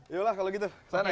yolah kalau gitu kesana ya